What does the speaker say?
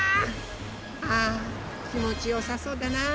あきもちよさそうだな。